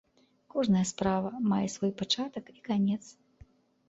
Кожная справа мае свой пачатак і канец.